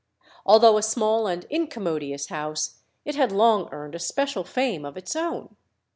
Although a small and incommodious house, it had long earned a special fame of its own.